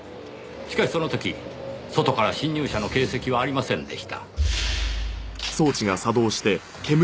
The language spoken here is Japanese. しかしその時外から侵入者の形跡はありませんでした。